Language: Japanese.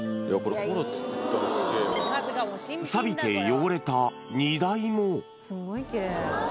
さびて汚れた荷台も。